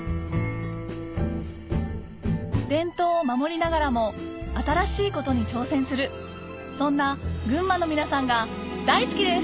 伝統を守りながらも新しいことに挑戦するそんな群馬の皆さんが大好きです